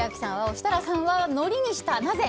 設楽さんはのりにした。